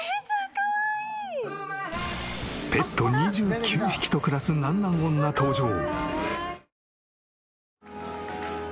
ペット２９匹と暮らすなんなん女登場！